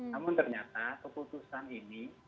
namun ternyata keputusan ini